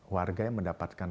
warga yang mendapatkan